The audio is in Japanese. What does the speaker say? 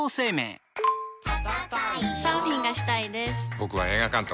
僕は映画監督。